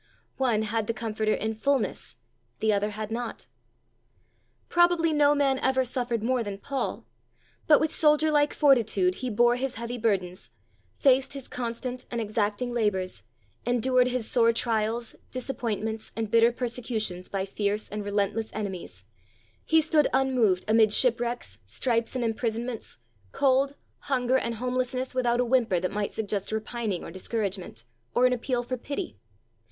One had the Comforter in fullness, the other had not. Probably, no man ever suffered more than Paul, but with soldier like fortitude he bore his heavy burdens, faced his constant and exacting labours, endured his sore trials, disappointments, and bitter persecutions by fierce and relentless enemies; he stood unmoved amid shipwrecks, stripes and imprisonments, cold, hunger, and homelessness without a whimper that might suggest repining or discouragement, or an appeal for pity.